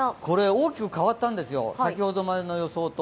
大きく変わったんですよ、先ほどまでの予想と。